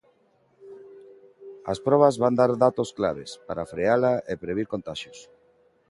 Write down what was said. As probas van dar datos claves para freala e previr contaxios.